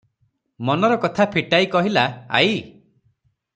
ମନର କଥା ଫିଟାଇ କହିଲା, "ଆଈ!